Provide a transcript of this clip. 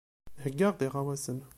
Heyyaɣ-d iɣawasen.